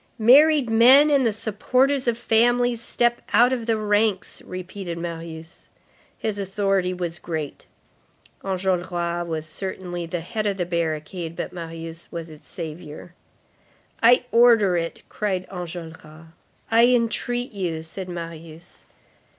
"Married men and the supporters of families, step out of the ranks!" repeated Marius. His authority was great. Enjolras was certainly the head of the barricade, but Marius was its savior. "I order it," cried Enjolras. "I entreat you," said Marius.